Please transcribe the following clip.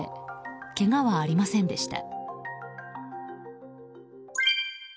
けがはありませんでした。